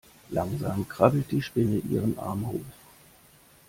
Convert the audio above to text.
Langsam krabbelt die Spinne ihren Arm hoch.